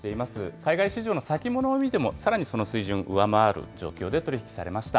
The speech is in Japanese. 海外市場の先物を見ても、さらにその水準を上回る状況で取り引きされました。